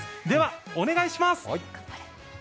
ではお願いします。